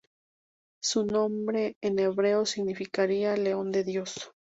Su nombre en hebreo significaría "león de dios".